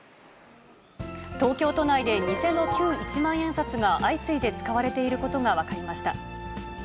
東京都内で偽の旧一万円札が相次いで使われていることが分かりました。